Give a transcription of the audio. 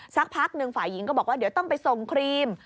สักพักหนึ่งฝ่ายหญิงก็บอกว่าเดี๋ยวต้องไปส่งครีม